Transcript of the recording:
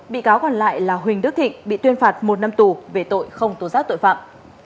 bị cáo còn lại là huỳnh đức thịnh bị tuyên phạt một năm tù về tội không tố giác tội phạm